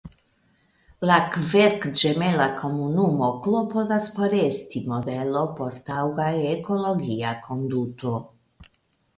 La kverkĝemela komunumo klopodas por esti modelo por taŭga ekologia konduto.